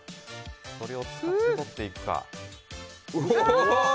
それを使って取っていくか。